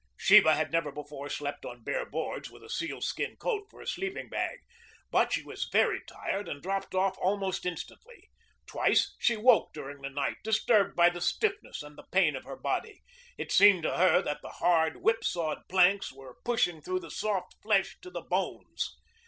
Sheba had never before slept on bare boards with a sealskin coat for a sleeping bag. But she was very tired and dropped off almost instantly. Twice she woke during the night, disturbed by the stiffness and the pain of her body. It seemed to her that the hard, whipsawed planks were pushing through the soft flesh to the bones.